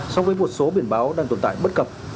so với một số biển báo đang tồn tại bất cập